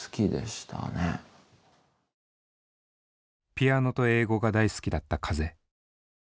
ピアノと英語が大好きだった風。